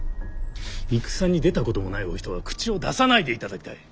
戦に出たこともないお人が口を出さないでいただきたい。